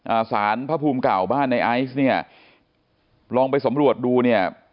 สารพระภูมิเก่าบ้านในไอซ์เนี่ยลองไปสำรวจดูเนี่ย